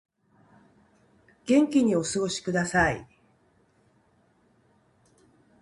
元気にお過ごしください